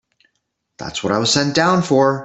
That's what I was sent down for.